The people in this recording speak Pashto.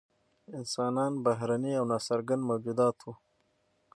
انسانان بهرني او نا څرګند موجودات وو.